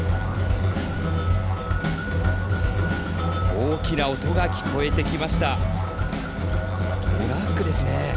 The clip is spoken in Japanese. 大きな音が聞こえてきました。